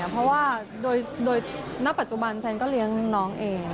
เพราะว่าโดยณปัจจุบันแซนก็เลี้ยงน้องเอง